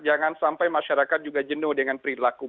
jangan sampai masyarakat juga jenuh dengan perilaku